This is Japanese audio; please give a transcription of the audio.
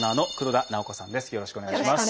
よろしくお願いします。